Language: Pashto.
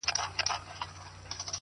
قتلول به یې مظلوم خلک بېځایه٫